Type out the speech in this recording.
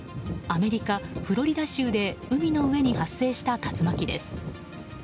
アメリカ・フロリダ州で海の上に発生した竜巻です。